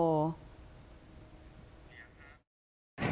โอ้โห